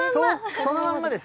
そのまんまです。